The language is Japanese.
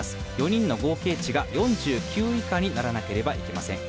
４人の合計値が４９以下にならなければいけません。